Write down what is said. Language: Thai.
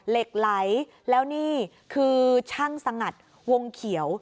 เหล็กไหลแล้วนี่คือช่างสงัดวงเขียว